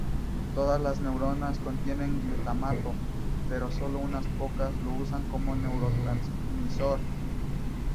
Todas las neuronas contienen glutamato, pero sólo unas pocas lo usan como neurotransmisor.